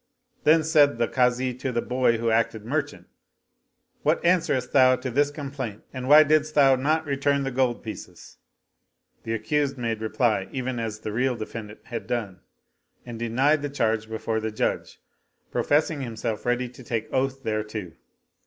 Then said the Kazi to the boy who acted merchant, " What answerest thou to this complaint and why didst thou not return the gold pieces ?" The accused made reply even as the real defendant had done and denied the charge before the Judge, professing himself ready to take oath thereto.